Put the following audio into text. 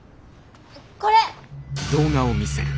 これ！